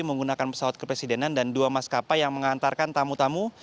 menggunakan pesawat kepresidenan dan dua maskapai yang mengantarkan tamu tamu